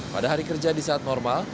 pada hari kerja di saat normal